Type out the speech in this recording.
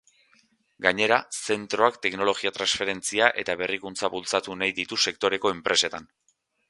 Gainera, zentroak teknologia-transferentzia eta berrikuntza bultzatu nahi ditu sektoreko enpresetan.